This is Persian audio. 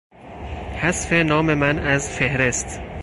حذف نام من از فهرست